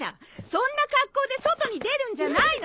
そんな格好で外に出るんじゃないの！